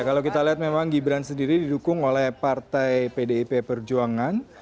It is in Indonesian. kalau kita lihat memang gibran sendiri didukung oleh partai pdip perjuangan